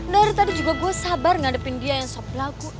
dari tadi juga gue sabar ngadepin dia yang soplagu